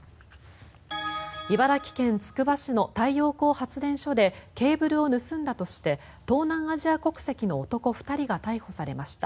茨城県つくば市の太陽光発電所でケーブルを盗んだとして東南アジア国籍の男２人が逮捕されました。